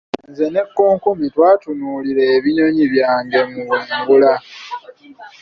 Nze n'ekonkome, twatutunulira ebinyonyi byange mu bwengula.